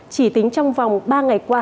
chỉ tính trong vòng ba ngày qua